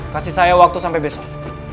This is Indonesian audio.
kasih saya waktu sampai besok